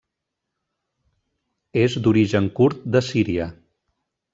És d'origen kurd de Síria.